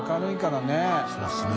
そうですね。